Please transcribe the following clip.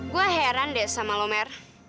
gue heran deh sama lo mer